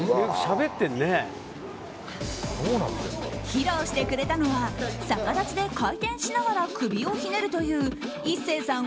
披露してくれたのは逆立ちで回転しながら首をひねるというＩＳＳＥＩさん